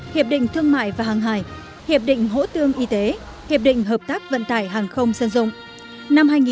hiệp định thương mại và hàng hải hiệp định hỗ tương y tế hiệp định hợp tác vận tải hàng không dân dụng